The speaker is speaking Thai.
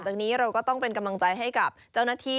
จากนี้เราก็ต้องเป็นกำลังใจให้กับเจ้าหน้าที่